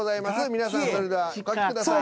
皆さんそれではお書きください。